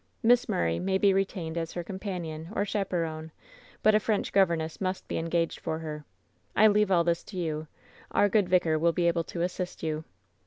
Miss Murray may be retained as her companion or chaperon, but a French governess must be engaged for her. " 'I leave all this to you. Our good vicar will be able to assist you.